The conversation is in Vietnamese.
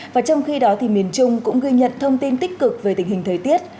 và trong khi đó thì miền trung cũng ghi nhận thông tin tích cực về tình hình thời tiết